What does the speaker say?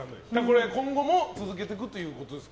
今後も続けていくということですか？